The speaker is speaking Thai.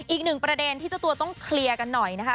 อีกหนึ่งประเด็นที่เจ้าตัวต้องเคลียร์กันหน่อยนะคะ